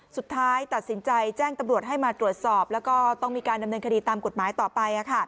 สุดท้ายตัดสินใจแจ้งตำรวจให้มาตรวจสอบแล้วก็ต้องมีการดำเนินคดีตามกฎหมายต่อไป